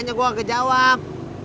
nah makanya gua gak kejawab